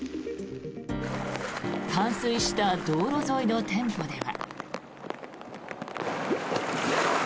冠水した道路沿いの店舗では。